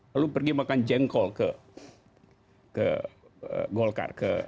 lalu pergi makan jengkol ke golkar